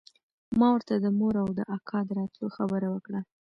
ما ورته د مور او د اکا د راتلو خبره وکړه.